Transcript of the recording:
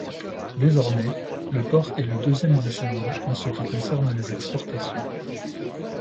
Désormais, le port est le deuxième d'Islande en ce qui concerne les exportations.